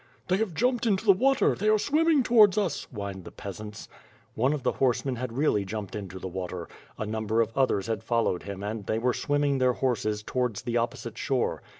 "They have jumped into the water, they are swimming towards us," whined the peasants. One of the horsemen had really jumped into the water; a number of others had followed him and they were swimming their horses towards the opposite shore.